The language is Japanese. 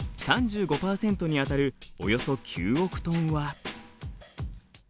３５％にあたるおよそ９億トンは。